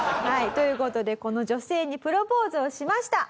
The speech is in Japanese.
という事でこの女性にプロポーズをしました。